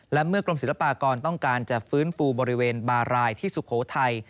และเมื่อกรมศิลปากรต้องการจะฟื้นฟูบริเวณบารายที่สุโขทัย